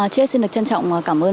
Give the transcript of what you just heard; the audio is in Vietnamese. chị ấy xin được trân trọng cảm ơn